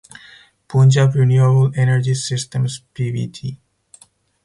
Punjab Renewable Energy Systems Pvt.